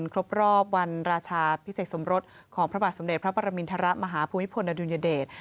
ครบรอบวันราชาพิเศษสมรสของพระบาทสมเด็จพระปรมินทรมาฮภูมิพลอดุลยเดช